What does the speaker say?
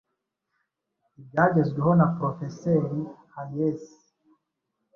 ibyagezweho na Porofeseri Hayes